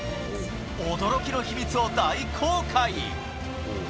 驚きの秘密を大公開。